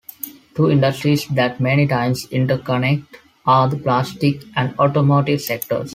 Two industries that many times interconnect are the plastic and automotive sectors.